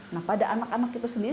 nah pada anak anak itu sendiri